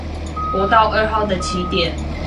國道二號的起點